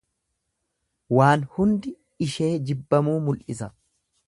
Waan hundi ishee jibbamuu mul'isa.